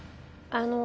あの。